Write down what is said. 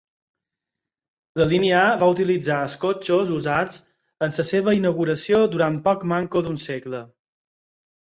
La línia A va utilitzar els cotxes usats en la seva inauguració durant poc menys d'un segle.